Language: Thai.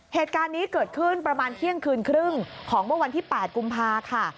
เหตุการณ์นี้เกิดขึ้นประมาณเที่ยงคืนครึ่งของเมื่อวันที่๘กุมภาค่ะ